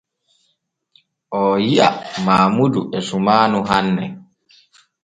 Oo yi’a Maamudu e sumaanu hanne.